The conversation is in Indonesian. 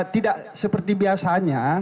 tidak seperti biasanya